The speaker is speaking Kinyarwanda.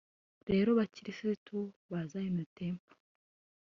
Rero Bakirisito ba Zion Temple